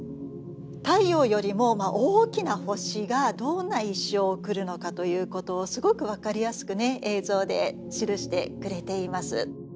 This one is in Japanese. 太陽よりも大きな星がどんな一生を送るのかということをすごく分かりやすくね映像で記してくれています。